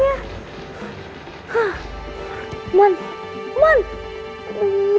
siapakan semua respon obi wan farkan seating di sini